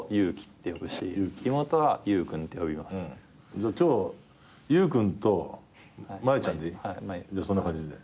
じゃあ今日ゆう君と真佑ちゃんでいい？じゃあそんな感じで。